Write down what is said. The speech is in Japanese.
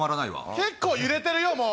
結構揺れてるよ、もう。